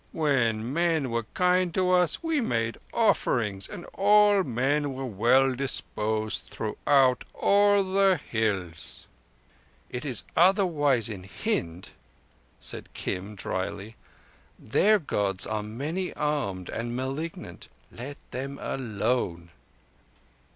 When men were kind to us we made offerings, and all men were well disposed throughout all the Hills." "It is otherwise in Hind," said Kim drily. "Their Gods are many armed and malignant. Let them alone."